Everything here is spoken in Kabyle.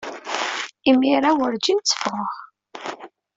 Imir-a, werǧin tteffɣeɣ.